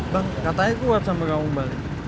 bang katanya gue buat sambil kamu balik